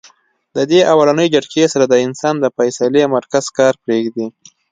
د دې اولنۍ جټکې سره د انسان د فېصلې مرکز کار پرېږدي -